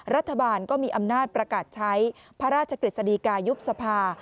รัฐบาลก็มีอำนาจประกาศใช้พระราชกฤษฎีกายุบสภา